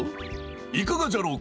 いかがじゃろうか？